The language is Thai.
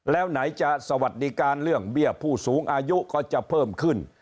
แล้วไหนจะสวัสดิการเรื่องเบี้ยผู้สูงอายุก็จะเพิ่มขึ้น